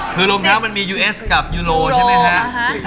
คือรองเท้ามันมียูเอสกับยูโรใช่ไหมฮะ